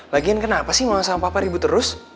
lagian kenapa sih ngomong sama papa ribut terus